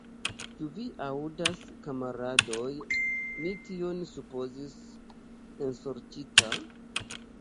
Ĉu vi aŭdas, kamaradoj, mi tion supozis, ensorĉita!